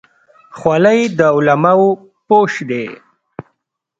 خولۍ د علماو پوښ دی.